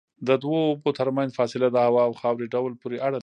د دوو اوبو ترمنځ فاصله د هوا او خاورې ډول پورې اړه لري.